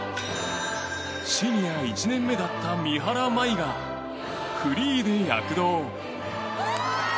シニア１年目だった三原舞依がフリーで躍動！